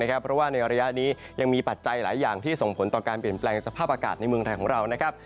เพราะว่าในระยะนี้ยังมีปัจจัยหลายอย่างที่ส่งผลต่อการเปลี่ยนแปลงสภาพอากาศในเมืองไทยของเรานะครับ